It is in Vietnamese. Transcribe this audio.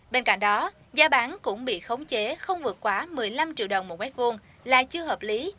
bên cạnh đó giá bán cũng bị khống chế không vượt quá một mươi năm triệu đồng một mét vuông là chưa hợp lý